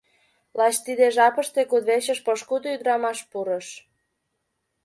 Лач тиде жапыште кудвечыш пошкудо ӱдрамаш пурыш.